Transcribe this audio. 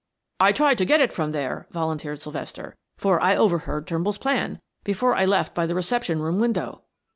"I tried to get it from there," volunteered Sylvester, "for I overheard Turnbull's plan, before I left by the reception room window."